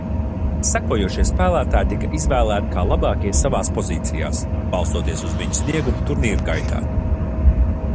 Sekojošie spēlētāji tika izvēlēti kā labākie savās pozīcijās, balstoties uz viņu sniegumu turnīra gaitā.